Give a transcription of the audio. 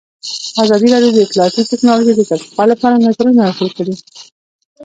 ازادي راډیو د اطلاعاتی تکنالوژي د ارتقا لپاره نظرونه راټول کړي.